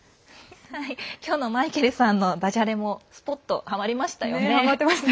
今日のマイケルさんのだじゃれもスポッとはまりましたよね。